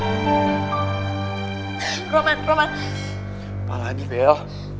itu mah gitu